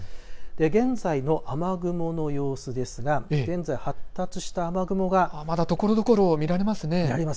現在の雨雲の様子ですが現在、発達した雨雲がところどころ見られます。